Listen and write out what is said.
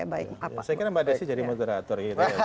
saya kira mbak desi jadi moderator